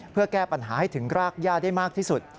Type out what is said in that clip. เพื่อแก้ปัญหาให้ถึงรากย่าได้มากที่สุด